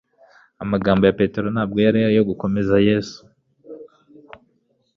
Amagambo ya Petero ntabwo yari ayo gukomeza Yesu